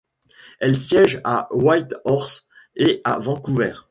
Elle siège à Whitehorse et à Vancouver.